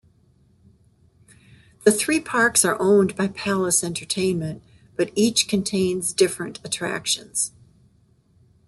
The three parks are owned by Palace Entertainment but each contains different attractions.